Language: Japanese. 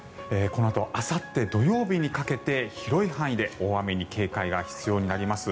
このあとあさって土曜日にかけて広い範囲で大雨に警戒が必要になります。